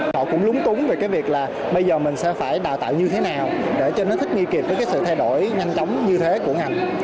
họ cũng lúng túng về cái việc là bây giờ mình sẽ phải đào tạo như thế nào để cho nó thích nghi kịp với cái sự thay đổi nhanh chóng như thế của ngành